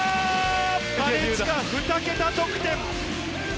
金近、２桁得点。